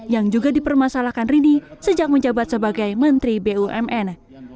yang juga dipermasalahkan rini sejak menjabat sebagai menteri bumn